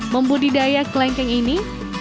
membudidaya kelengkeng ini